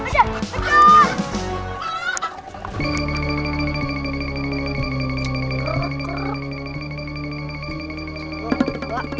jah betul keren sih ini